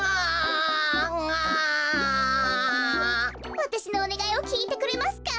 わたしのおねがいをきいてくれますか？